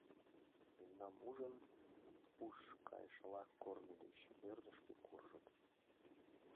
Мемнам ужын, уш кайышыла корно деч ӧрдыжкӧ куржыт.